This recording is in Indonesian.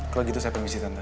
kalau gitu saya permisi tante